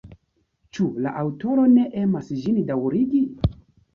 Ĉu la aŭtoro ne emas ĝin daŭrigi?